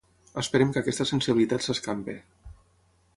Esperem que aquesta sensibilitat s’escampi.